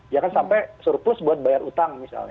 jangan sampai surplus buat bayar utang misalnya